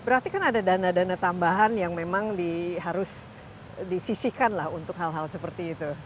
berarti kan ada dana dana tambahan yang memang harus disisihkan lah untuk hal hal seperti itu